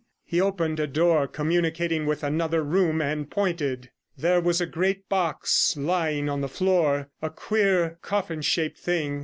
He opened a door communicating with another room, and pointed. There was a great box lying on the floor, a queer, coffin shaped thing.